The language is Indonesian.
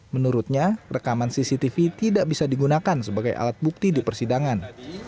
menurutnya rekaman cctv tidak bisa digunakan sebagai alat bukti di persidangan